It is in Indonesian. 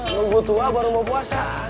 nunggu tua baru mau puasa